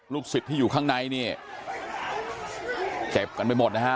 ศิษย์ที่อยู่ข้างในนี่เจ็บกันไปหมดนะฮะ